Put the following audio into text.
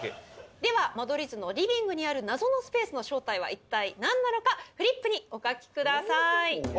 では間取り図のリビングにある謎のスペースの正体は一体何なのかフリップにお書き下さい！